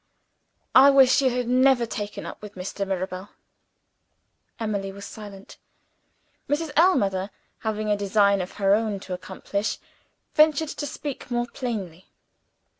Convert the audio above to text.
"I wish you had never taken up with Mr. Mirabel." Emily was silent. Mrs. Ellmother, having a design of her own to accomplish, ventured to speak more plainly.